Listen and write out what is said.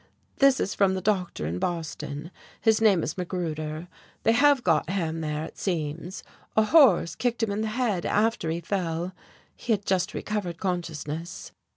"This is from the doctor in Boston his name is Magruder. They have got Ham there, it seems. A horse kicked him in the head, after he fell, he had just recovered consciousness."